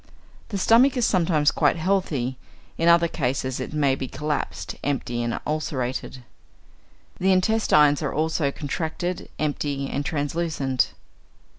The stomach is sometimes quite healthy; in other cases it may be collapsed, empty, and ulcerated. The intestines are also contracted, empty, and translucent.